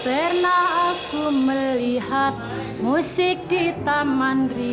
asal lebih kasih sayang